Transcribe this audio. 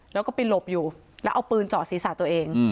แล้วก็ไปหลบอยู่แล้วเอาปืนเจาะศีรษะตัวเอง